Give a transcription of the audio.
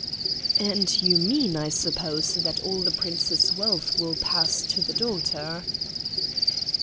"And you mean, I suppose, that all the Prince's wealth will pass to the daughter?"